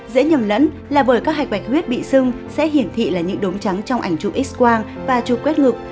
dễ nhầm lẫn là bởi các hạch bạch huyết bị sưng sẽ hiển thị là những đốm trắng trong ảnh chụp x quang và chụp quét ngực